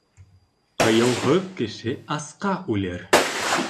Ҡыйыуһыҙ кеше асҡа үлер.